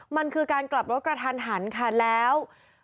มันคือการกลับรถกระทันหันค่ะแล้ว